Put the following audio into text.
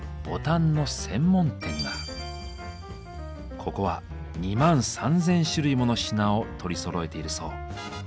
ここは２万３千種類もの品を取りそろえているそう。